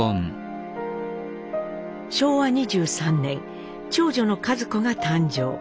昭和２３年長女の一子が誕生。